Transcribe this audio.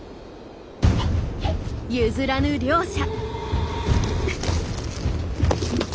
譲らぬ両者。